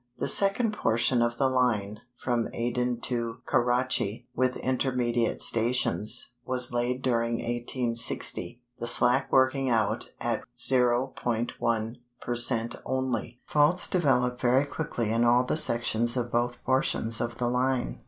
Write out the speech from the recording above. The second portion of the line, from Aden to Kurrachee, with intermediate stations, was laid during 1860, the slack working out at 0.1 per cent only. Faults developed very quickly in all the sections of both portions of the line.